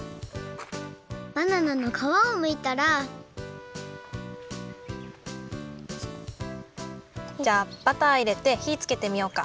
バナナのかわをむいたらじゃあバターいれてひつけてみようか。